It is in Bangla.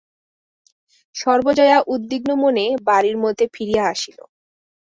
সর্বজয়া উদ্বিগ্ন মনে বাড়ির মধ্যে ফিরিয়া আসিল।